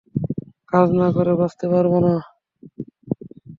কাজ না করে বাঁচতে পারব না।